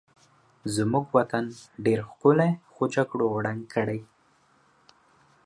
زمونږ وطن ډېر ښکلی خو جګړو ړنګ کړی